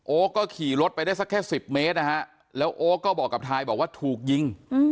ก็ขี่รถไปได้สักแค่๑๐เมตรนะฮะแล้วโอ๊คก็บอกกับทายบอกว่าถูกยิง